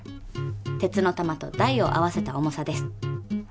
鉄の玉と台を合わせた重さです。